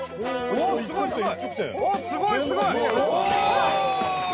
おっすごいすごい！